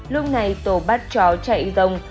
lúc này tổ bắt chó chạy rồng